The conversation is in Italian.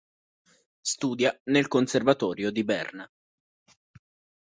Studia nel conservatorio di Berna.